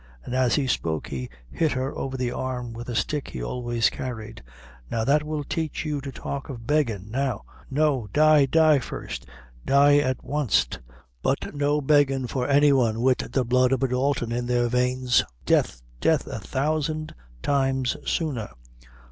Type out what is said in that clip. And as he spoke, he hit her over the arm with a stick he always carried. "Now that will teach you to talk of beg gin'. No! die die first die at wanst; but no beggin' for any one wid the blood of a Dalton in their veins. Death death a thousand times sooner!"